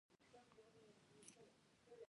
د هېواد اړتیاوې له دې بحثونو مخکې دي.